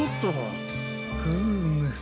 フーム。